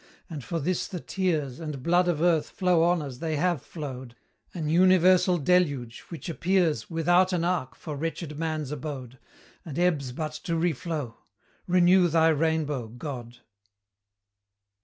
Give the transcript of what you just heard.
and for this the tears And blood of earth flow on as they have flowed, An universal deluge, which appears Without an ark for wretched man's abode, And ebbs but to reflow! Renew thy rainbow, God!